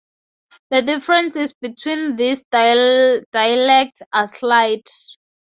The differences between these dialects are slight.